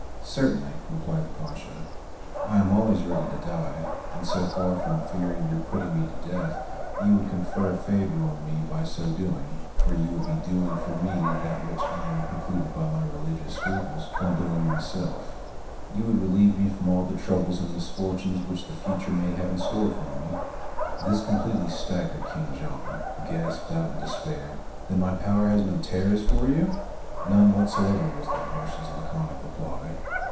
"Certainly," replied the Pasha; "I am always ready to die; and so far from fearing your put ting me to death, you would confer a favor on me by so doing, for you would be doing for me that which I am precluded by my religious scruples from doing for my self — you would reUeve me froni all the troubles and misfortunes which the future may have in store for me." This completely staggered King John, who gasped out in despair, "Then my power has no terrors for you?" "None whatever," was the Pasha's laconic reply.